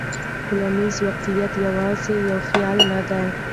ټولنیز واقعیت یوازې یو خیال نه دی.